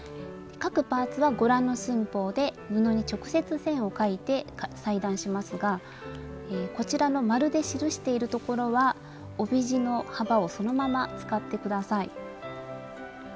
各パーツはご覧の寸法で布に直接線を描いて裁断しますがこちらの丸で記しているところは帯地の幅をそのまま使って下さい。